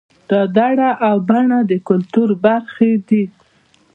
دړه او بنه د کولتور برخې دي